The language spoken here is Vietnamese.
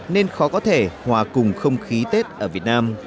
nên khó có thể hòa cùng không khí tết ở việt nam